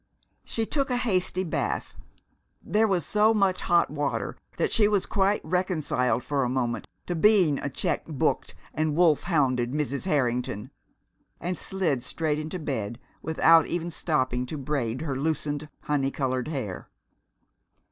She took a hasty bath there was so much hot water that she was quite reconciled for a moment to being a check booked and wolf hounded Mrs. Harrington and slid straight into bed without even stopping to braid her loosened, honey colored hair.